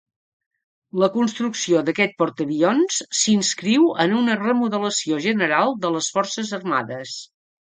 La construcció d'aquest portaavions s'inscriu en una remodelació general de les Forces Armades.